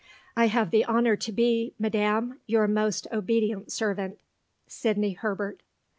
I have the honor to be, Madam, your most obedient servant, SIDNEY HERBERT.